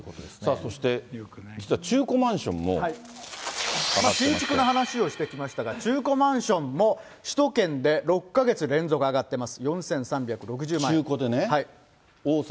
そして、実は中古マンシ新築の話をしてきましたが、中古マンションも首都圏で６か月連続、上がってます。